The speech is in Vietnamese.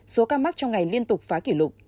số ca mắc trong ngày liên tục phá kỷ lục